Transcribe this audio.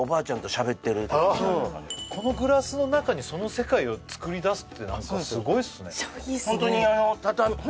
このグラスの中にその世界をつくり出すって何かすごいっすね超いいですね